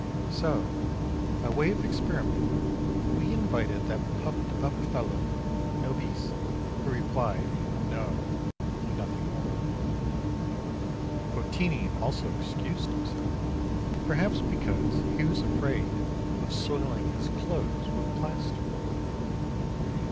So, by way of experiment, we invited that puffed up fellow, Nobis, who replied "No," and nothing more. Votini also excused himself, perhaps because he was afraid of soiling his clothes with plaster.